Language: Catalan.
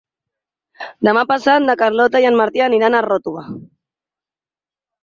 Demà passat na Carlota i en Martí aniran a Ròtova.